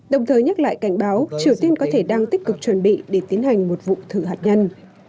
đồng thời nhắc lại cảnh báo triều tiên có thể đang tích cực chuẩn bị để tiến hành một vụ thử hạt nhân